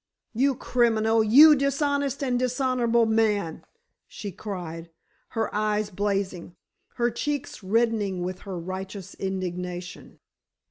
"You criminal! You dishonest and dishonorable man!" she cried, her eyes blazing, her cheeks reddening with her righteous indignation.